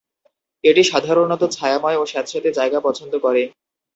এটি সাধারণত ছায়াময় ও স্যাঁতসেঁতে জায়গা পছন্দ করে।